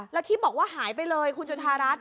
แล้วที่บอกว่าหายไปเลยคุณจุธารัฐ